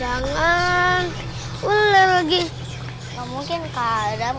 jangan cuba mau boosir rpg makan siap abu jerten